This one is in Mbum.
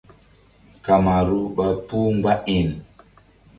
Kamaru ɓa puh mgba iŋ.